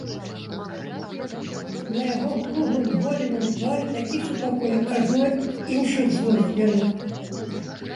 На яго круглым голеным твары такі супакой, ажно іншых злосць бярэ.